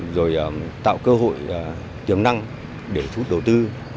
rồi tạo cơ hội tiềm năng để thu hút đầu tư